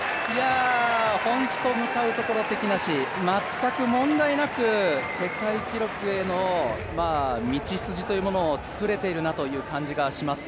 ホント向かうところ敵なし、全く問題なく世界記録への道筋というものを作れているなという感じがします。